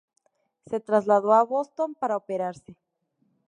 Se trasladó a Boston para operarse.